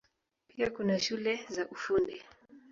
Pia kuna shule za Ufundi.